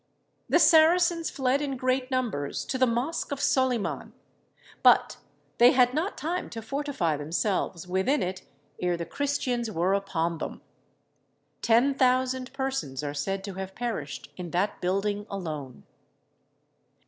The Saracens fled in great numbers to the mosque of Soliman, but they had not time to fortify themselves within it ere the Christians were upon them. Ten thousand persons are said to have perished in that building alone.